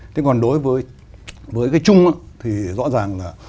thế còn đối với cái chung thì rõ ràng là